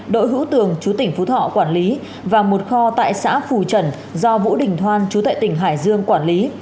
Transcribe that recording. đỗ hữu tường chú tỉnh phú thọ quản lý và một kho tại xã phù trần do vũ đình thoan chú tại tỉnh hải dương quản lý